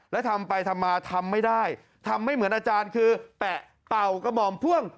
แล้วทำไปทำมาทำไม่ได้ทำไม่เหมือนอาจารย์คือแปะเป่ากระหม่อมพ่วง